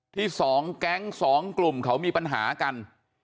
สองแก๊งสองกลุ่มเขามีปัญหากัน